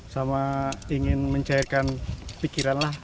sama ingin mencairkan pikiran lah